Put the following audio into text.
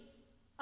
あ